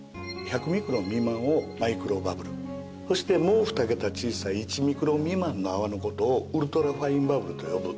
１００ミクロン未満をマイクロバブルそしてもう２桁小さい１ミクロン未満の泡の事をウルトラファインバブルと呼ぶ。